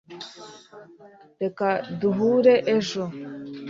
reka duhure ejo